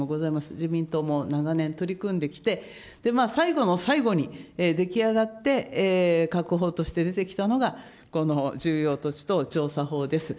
自民党も長年取り組んできて、最後の最後に出来上がって、閣法として出てきたのが、この重要土地等調査法です。